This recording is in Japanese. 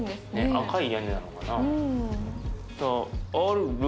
赤い屋根なのかな。